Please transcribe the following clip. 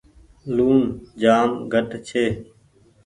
لوڻ جآم گھٽ ڇي۔